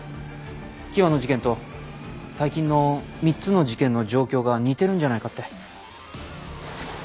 喜和の事件と最近の３つの事件の状況が似てるんじゃないかって。